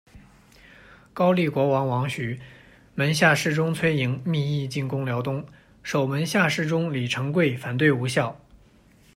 高丽国王王禑、门下侍中崔莹密议进攻辽东，守门下侍中李成桂反对无效。